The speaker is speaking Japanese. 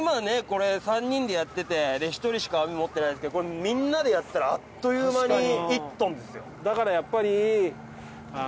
これ３人でやってて１人しか網持ってないですけどこれみんなでやったらあっという間に１トンですよ。